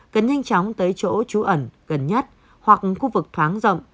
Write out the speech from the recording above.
cần nhanh chóng tới chỗ trú ẩn gần nhất hoặc khu vực thoáng rộng